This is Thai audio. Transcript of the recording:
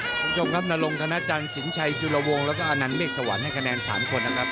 คุณผู้ชมครับนรงธนาจันทร์สินชัยจุลวงแล้วก็อนันเมฆสวรรค์ให้คะแนน๓คนนะครับ